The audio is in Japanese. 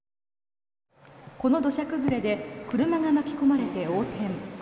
この土砂崩れで車が巻き込まれて横転。